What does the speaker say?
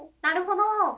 「なるほど」。